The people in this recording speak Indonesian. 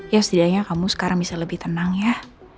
ya setidaknya kamu sekarang bisa lebih tenang ya